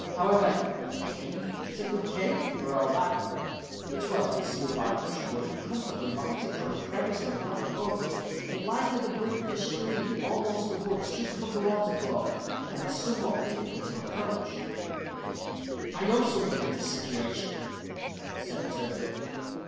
However, the cave is a good cave for all that; is well concealed by brushwood, and comfortably lighted from a crevice in the rock above; it lies near the brink of the stream, amongst the woods just above the waterfall, and is somewhat difficult of approach." "I know something of the situation," said Turpin.